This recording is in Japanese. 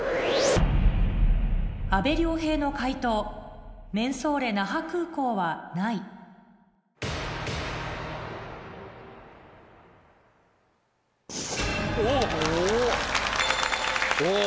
阿部亮平の解答「めんそれ那覇空港」はないおぉ！